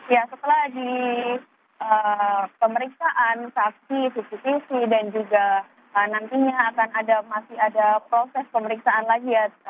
ya setelah di pemeriksaan saksi cctv dan juga nantinya akan ada masih ada proses pemeriksaan lagi ya